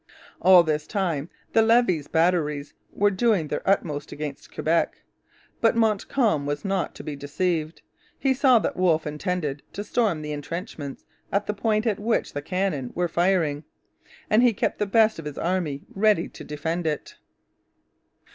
All this time the Levis batteries were doing their utmost against Quebec. But Montcalm was not to be deceived. He saw that Wolfe intended to storm the entrenchments at the point at which the cannon were firing, and he kept the best of his army ready to defend it.